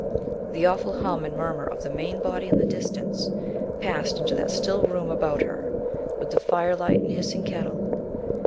The awful hum and murmur of the main body in the distance passed into that still room about her with the firelight and hissing kettle.